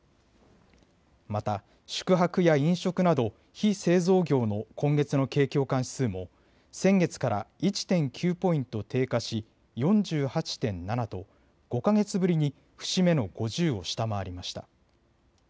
また宿泊や飲食など非製造業の今月の景況感指数も先月から１．９ポイント低下し４８．７と５か月ぶりに節目の５０を下回りました。